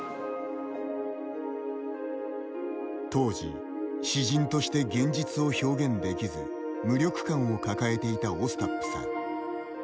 当時、詩人として現実を表現できず無力感を抱えていたオスタップさん。